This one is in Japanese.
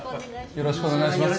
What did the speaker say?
よろしくお願いします。